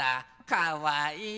かわいい。